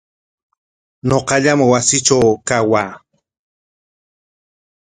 Ñuqallam wasiitraw kawaa.